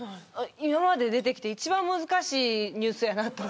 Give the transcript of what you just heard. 今まで、出てきて一番難しいニュースやなと。